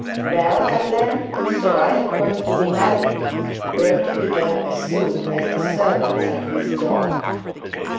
'Well, Madeline; so I'm going to be married,' Bertie began, as soon as the servants had withdrawn.